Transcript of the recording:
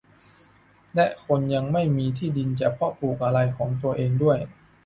และคนยังไม่มีที่ดินจะเพาะปลูกอะไรของตัวเองด้วย